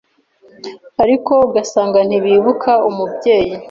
ariko ugasanga ntibibuka umubyeyi,